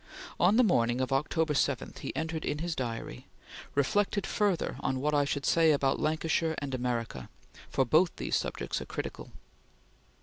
On the morning of October 7, he entered in his diary: "Reflected further on what I should say about Lancashire and America, for both these subjects are critical."